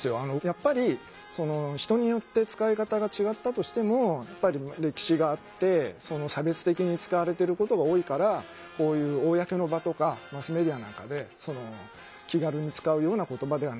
やっぱり人によって使い方が違ったとしても歴史があって差別的に使われてることが多いからこういう公の場とかマスメディアなんかで気軽に使うような言葉ではないよと。